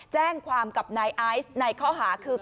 แจ้งความกับนายไอซ์ในข้อหาคือ